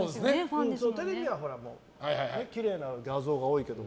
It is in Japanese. テレビでは、きれいな画像が多いけど。